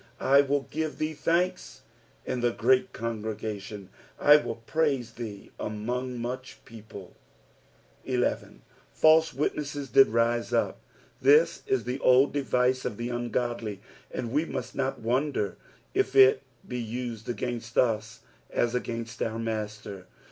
18 I will give thee thanks in the great congregation: I will praise thee among much people. II. '^ Falm aitaeuei did Wm vp." This is the old device of the ungodly, and 'we must not wonder if it be used agHinst us as against our Hastcr.